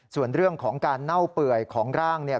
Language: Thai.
ส่วนเรื่องของการเน่าเปื่อยของร่างเนี่ย